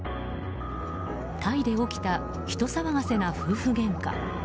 タイで起きた人騒がせな夫婦げんか。